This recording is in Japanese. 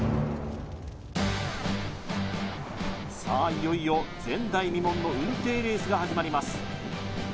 いよいよ前代未聞のうんていレースが始まります